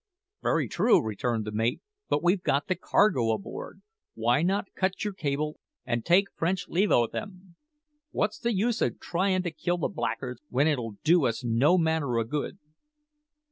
"Very true," returned the mate; "but we've got the cargo aboard. Why not cut your cable and take French leave o' them? What's the use o' tryin' to kill the blackguards when it'll do us no manner o' good?"